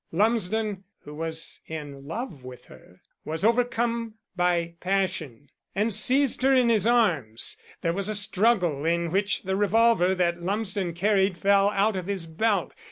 Lumsden, who was in love with her, was overcome by passion, and seized her in his arms. There was a struggle in which the revolver that Lumsden carried fell out of his belt.